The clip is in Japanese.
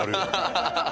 ハハハハ！